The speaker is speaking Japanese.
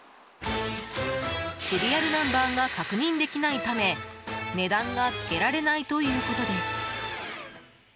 シリアルナンバーが確認できないため値段がつけられないということです。